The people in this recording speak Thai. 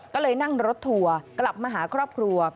ก็เลยนั่งรถทัวร์กลับมาหาครอบครัว